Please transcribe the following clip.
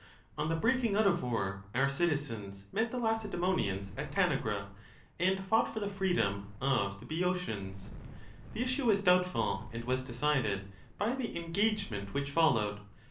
On the breaking out of war, our citizens met the Lacedaemonians at Tanagra, and fought for the freedom of the Boeotians ; the issue was doubtful, and was decided by the engagement which followed.